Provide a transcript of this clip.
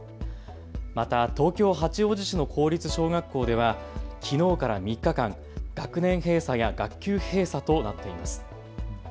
また東京八王子市の公立小学校ではきのうから３日間、学年閉鎖や学級閉鎖となっています。